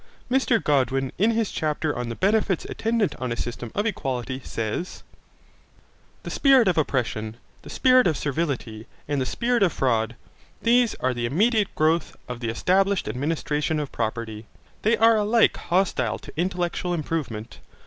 Mr Godwin, in his chapter on the benefits attendant on a system of equality, says: The spirit of oppression, the spirit of servility, and the spirit of fraud, these are the immediate growth of the established administration of property. They are alike hostile to intellectual improvement.